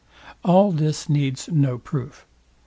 All this needs no proof.